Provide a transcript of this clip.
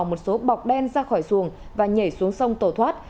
một số bọc đen ra khỏi xuồng và nhảy xuống sông tổ thoát